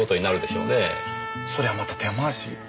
そりゃまた手回し。